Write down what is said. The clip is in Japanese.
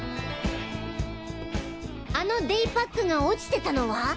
あのデイパックが落ちてたのは。